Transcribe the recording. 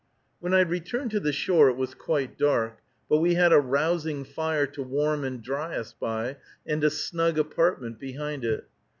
When I returned to the shore it was quite dark, but we had a rousing fire to warm and dry us by, and a snug apartment behind it.